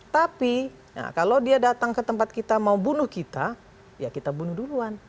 tapi kalau dia datang ke tempat kita mau bunuh kita ya kita bunuh duluan